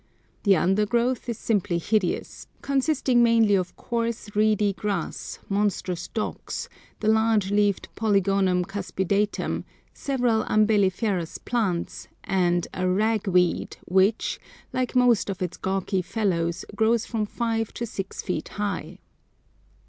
The undergrowth is simply hideous, consisting mainly of coarse reedy grass, monstrous docks, the large leaved Polygonum cuspidatum, several umbelliferous plants, and a "ragweed" which, like most of its gawky fellows, grows from five to six feet high.